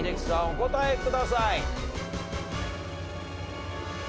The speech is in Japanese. お答えください。